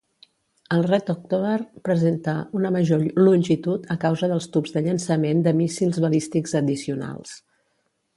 El "Red October" presenta una major longitud a causa dels tubs de llançament de míssils balístics addicionals.